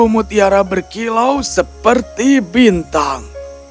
dua puluh mutiara berkilau seperti bintang